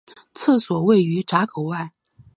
厕所位于闸口外。